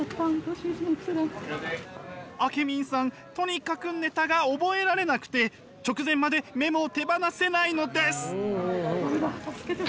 あけみんさんとにかくネタが覚えられなくて直前までメモを手放せないのです。